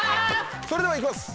それではいきます